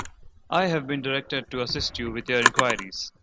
I have been directed to assist you with your enquiries.